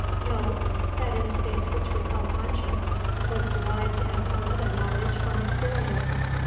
"No; that instinct which we call conscience was derived as all other knowledge from experience."